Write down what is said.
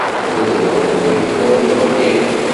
Ḥudreɣ mliḥ amar ad ɣliɣ.